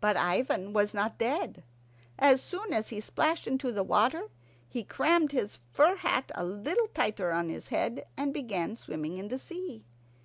But Ivan was not dead. As soon as he splashed into the water, he crammed his fur hat a little tighter on his head, and began swimming in the sea.